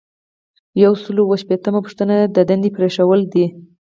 یو سل او اووه ویشتمه پوښتنه د دندې پریښودل دي.